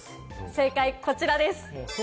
正解こちらです。